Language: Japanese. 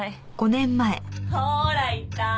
ほらいた。